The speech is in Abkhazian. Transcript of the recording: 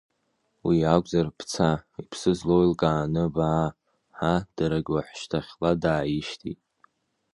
Уи акәзар, бца, иԥсы злоу еилкааны баа, ҳа дарагь уаҳәшьҭахьла дааишьҭит.